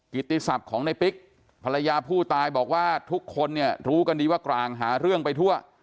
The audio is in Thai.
กิจศัพท์ของในปิ๊กภรรยาผู้ตายบอกว่าทุกคนเนี่ยรู้กันดีว่ากลางหาเรื่องไปทั่ว